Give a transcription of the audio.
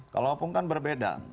kalau opung kan berbeda